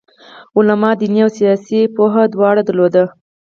علماوو دیني او سیاسي پوهه دواړه درلوده.